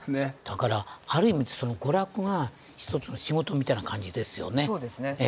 だからある意味娯楽が一つの仕事みたいな感じですよね。